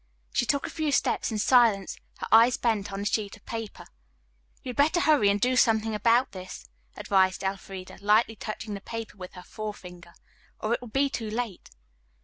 She took a few steps in silence, her eyes bent on the sheet of paper. "You had better hurry and do something about this," advised Elfreda, lightly touching the paper with her forefinger, "or it will be too late."